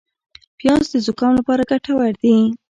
پیاز د زکام لپاره ګټور دي